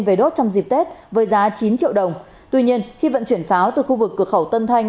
về đốt trong dịp tết với giá chín triệu đồng tuy nhiên khi vận chuyển pháo từ khu vực cửa khẩu tân thanh